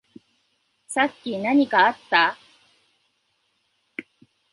さっき何かあった？